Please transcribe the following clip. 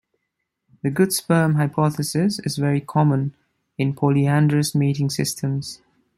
The "good sperm hypothesis" is very common in polyandrous mating systems.